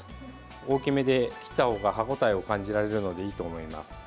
大きめで切ったほうが歯ごたえを感じられるのでいいと思います。